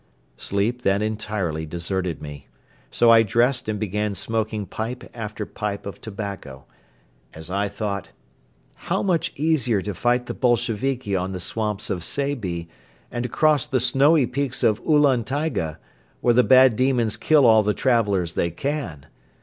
Sleep then entirely deserted me, so I dressed and began smoking pipe after pipe of tobacco, as I thought: "How much easier to fight the Bolsheviki on the swamps of Seybi and to cross the snowy peaks of Ulan Taiga, where the bad demons kill all the travelers they can!